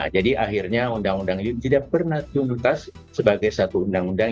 jadi akhirnya undang undang ini tidak pernah tuntas sebagai satu undang undang